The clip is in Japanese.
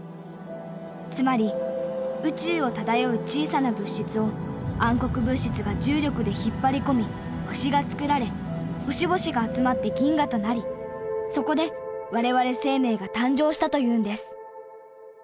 つまり宇宙を漂う小さな物質を暗黒物質が重力で引っ張り込み星がつくられ星々が集まって銀河となりそこで我々生命が誕生したというんです。